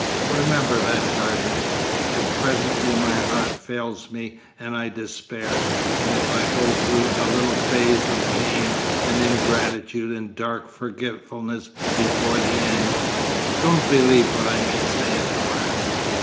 Remember that, Gardener, if presently my heart fails me and I despair, and if I go through a little phase of pain and ingratitude and dark forgetfulness before the end.... Don't believe what I may say at the last....